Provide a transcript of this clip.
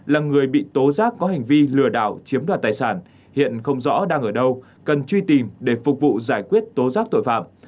là người bị tố giác có hành vi lừa đảo chiếm đoạt tài sản hiện không rõ đang ở đâu cần truy tìm để phục vụ giải quyết tố giác tội phạm